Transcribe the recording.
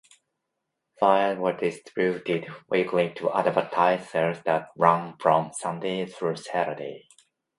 Flyers were distributed weekly to advertise sales that ran from Sunday through Saturday.